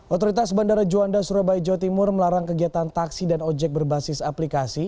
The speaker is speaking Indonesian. otoritas bandara juanda surabaya jawa timur melarang kegiatan taksi dan ojek berbasis aplikasi